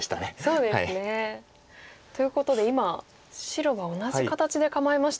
そうですね。ということで今白が同じ形で構えましたよ。